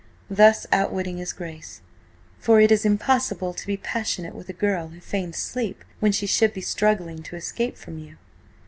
Thus outwitting his Grace. For it is impossible to be passionate with a girl who feigns sleep when she should be struggling to escape from you.